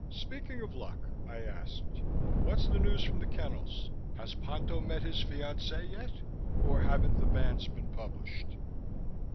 "Speaking of luck," I asked, "What's the news from the kennels? Has Ponto met his fiancee yet or haven't the banns been published?"